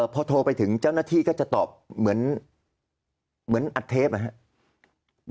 พอโทรไปถึงเจ้าหน้าที่ก็จะตอบเหมือนอัดเทปนะครับ